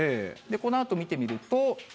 このあと見てみると。